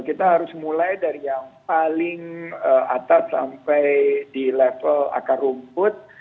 kita harus mulai dari yang paling atas sampai di level akar rumput